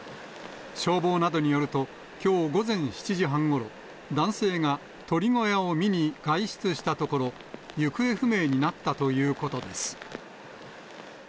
消防などによると、きょう午前７時半ごろ、男性が鶏小屋を見に外出したところ、行方不明になったということです。